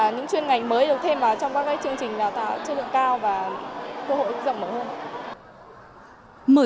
những chuyên ngành mới được thêm vào trong các chương trình đào tạo chất lượng cao và cơ hội rộng mở hơn